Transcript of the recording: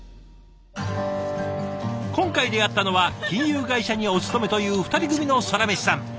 今回出会ったのは金融会社にお勤めという２人組のソラメシさん。